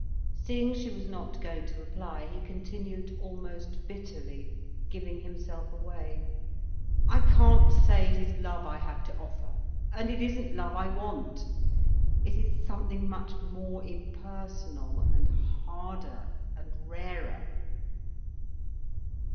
Seeing she was not going to reply, he continued, almost bitterly, giving himself away: "I can't say it is love I have to offer—and it isn't love I want. It is something much more impersonal and harder—and rarer."